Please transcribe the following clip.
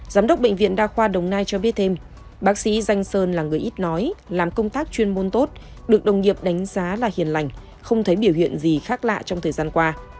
giám đốc bệnh viện đa khoa đồng nai cho biết thêm bác sĩ danh sơn là người ít nói làm công tác chuyên môn tốt được đồng nghiệp đánh giá là hiền lành không thấy biểu hiện gì khác lạ trong thời gian qua